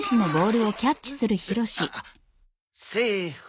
セーフ。